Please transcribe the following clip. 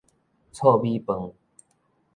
糙米飯